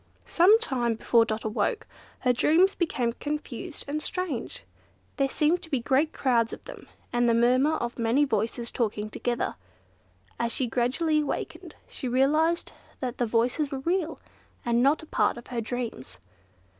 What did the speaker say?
Some time before Dot woke, her dreams became confused and strange. There seemed to be great crowds of them, and the murmur of many voices talking together. As she gradually awakened, she realised that the voices were real, and not a part of her dreams.